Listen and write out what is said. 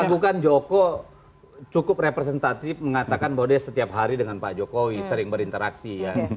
ragukan joko cukup representatif mengatakan bahwa dia setiap hari dengan pak jokowi sering berinteraksi ya